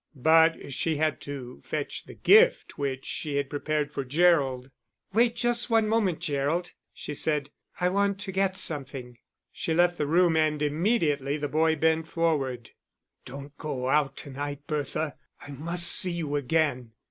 But she had to fetch the gift which she had prepared for Gerald. "Wait just one moment, Gerald," she said. "I want to get something." She left the room and immediately the boy bent forward. "Don't go out to night, Bertha. I must see you again."